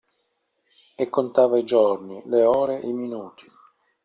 E contava i giorni, le ore, i minuti.